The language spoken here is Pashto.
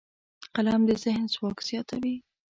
قلم د ذهن ځواک زیاتوي